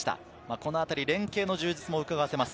このあたり連携の充実もうかがわせます。